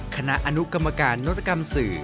คณะอนุกรรมการนวัตกรรมสื่อ